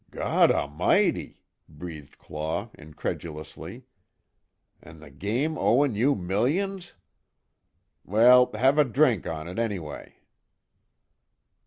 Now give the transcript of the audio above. "Gawd A'mighty!" breathed Claw, incredulously, "An' the game owin' you millions. Well, have a drink on it, anyway."